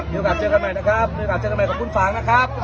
มีโอกาสเจอกันใหม่นะครับมีโอกาสเจอกันใหม่ขอบคุณฝางนะครับ